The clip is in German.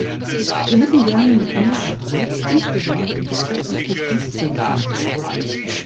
Wir hätten gerne noch mehr erreicht, insbesondere in Bezug auf die Kostenseite.